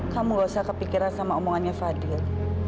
kamu gak usah kepikiran sama omongannya fadil